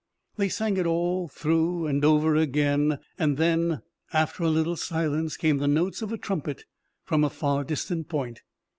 They sang it all through, and over again, and then, after a little silence, came the notes of a trumpet from a far distant point.